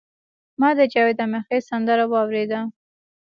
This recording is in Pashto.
ما د جاوید امیرخیل سندره واوریده.